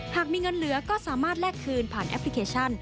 หากมีเงินเหลือก็สามารถแลกคืนผ่านแอปพลิเคชัน